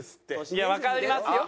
いやわかりますよ。